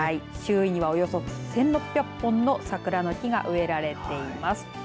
周囲にはおよそ１６００本の桜の木が植えられています。